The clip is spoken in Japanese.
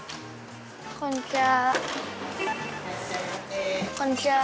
こんにちは。